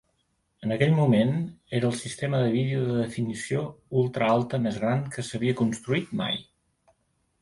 En aquell moment, era el sistema de vídeo de definició ultraalta més gran que s'havia construït mai.